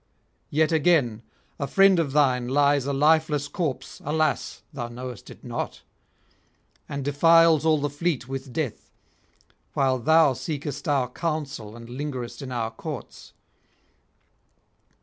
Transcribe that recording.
Yet again, a friend of thine lies a lifeless corpse, alas! thou knowest it not, and defiles all the fleet with death, while thou seekest our counsel and lingerest in our courts.